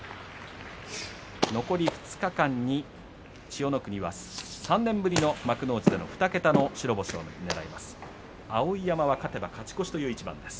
残り２日間に、千代の国は３年ぶりの幕内での２桁の白星をねらいます。